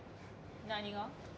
何が？